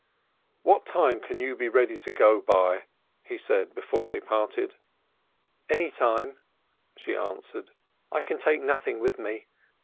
"What time can you be ready by?" he said before they parted. "Any time," she answered. "I can take nothing with me.